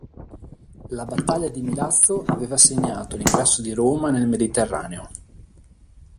La battaglia di Milazzo aveva segnato l'ingresso di Roma nel Mediterraneo.